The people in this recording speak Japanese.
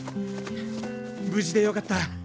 無事でよかった！